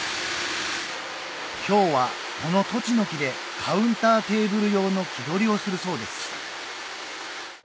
今日はあの栃の木でカウンターテーブル用の木取りをするそうです